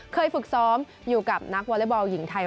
ฝึกซ้อมอยู่กับนักวอเล็กบอลหญิงไทย